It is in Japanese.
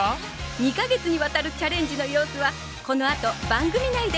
２か月にわたるチャレンジの様子はこのあと番組内で。